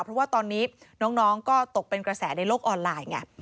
เพราะว่าตอนนี้น้องก็ตกเป็นกระแสในโลกออนไลน์ไง